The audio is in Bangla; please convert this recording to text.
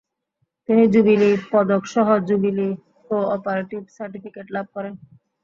তিনি জুবিলী পদকসহ জুবিলি কো-অপারেটিভ সার্টিফিকেট লাভ করেন।